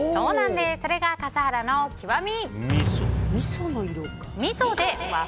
それが笠原の極み！